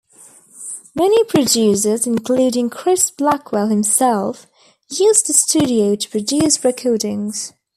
Many producers, including Chris Blackwell himself, used the studio to produce recordings.